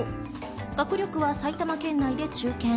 学力は埼玉県内で中堅。